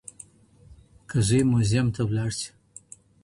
که زوی موزيم ته ولاړ سي.